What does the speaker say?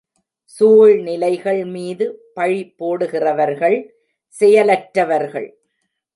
சூழ்நிலைகள் மீது பழி போடுகிறவர்கள் செயலற்றவர்கள்.